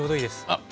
あっ！